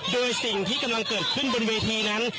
โดยสิ่งที่กำลังเกิดขึ้นบนเวทีนั้น